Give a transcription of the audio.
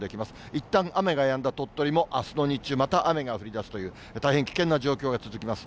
いったん雨がやんだ鳥取も、あすの日中、また雨が降りだすという、大変危険な状況が続きます。